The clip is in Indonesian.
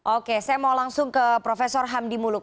oke saya mau langsung ke prof hamdi muluk